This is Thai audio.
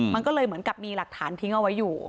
มันก็เลยเหมือนกับมีหลักฐานทิ้งเอาไว้อยู่